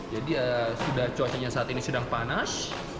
jadi sudah cuacanya saat ini sudah panas